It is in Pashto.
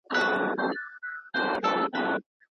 هغې په مجله کې ډېر ښکلي عکسونه ایښي.